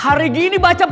hari gini baca puisi